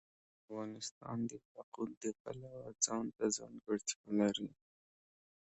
افغانستان د یاقوت د پلوه ځانته ځانګړتیا لري.